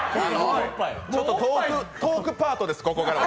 ちょっとトークパートです、ここからは。